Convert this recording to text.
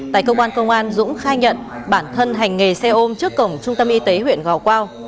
tại cơ quan công an dũng khai nhận bản thân hành nghề xe ôm trước cổng trung tâm y tế huyện gò quao